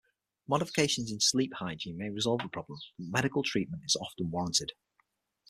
Modifications in sleep hygiene may resolve the problem, but medical treatment is often warranted.